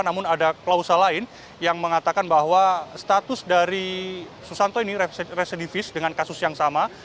namun ada klausa lain yang mengatakan bahwa status dari susanto ini residivis dengan kasus yang sama